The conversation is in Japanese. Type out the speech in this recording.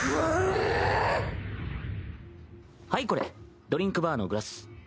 はいこれドリンクバーのグラス。